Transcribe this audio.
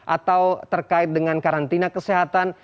atau terkait dengan karantina kesehatan